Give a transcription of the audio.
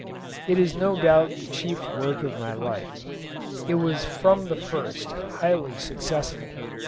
It is no doubt the chief work of my life. It was from the first highly successful.